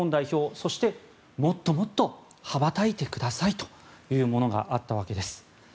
そして、もっともっと羽ばたいてくださいというものがあったわけです。